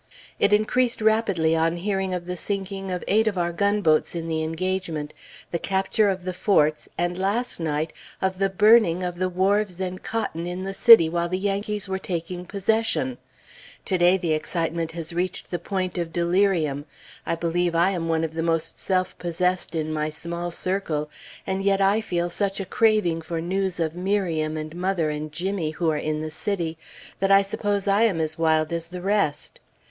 It increased rapidly on hearing of the sinking of eight of our gunboats in the engagement, the capture of the Forts, and last night, of the burning of the wharves and cotton in the city while the Yankees were taking possession. To day, the excitement has reached the point of delirium. I believe I am one of the most self possessed in my small circle; and yet I feel such a craving for news of Miriam, and mother, and Jimmy, who are in the city, that I suppose I am as wild as the rest.